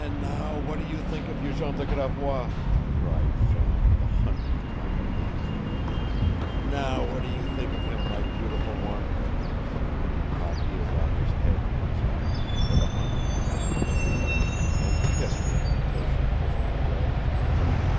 "And NOW what do you think of your Jean de Gravois?" cried Jean for the hundredth time at least. "NOW what do you think of him, my beautiful one?" and he caught Iowaka's head in his arms, for the hundredth time, too, and kissed her until she pushed him away.